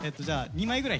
２枚ぐらい。